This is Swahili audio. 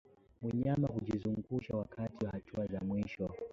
Mnyama kujizungusha wakati wa hatua za mwisho